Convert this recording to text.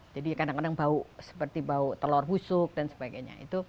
jadi kadang kadang seperti bau telur busuk dan sebagainya